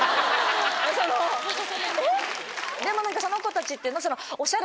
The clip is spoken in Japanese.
でも何かその子たちって。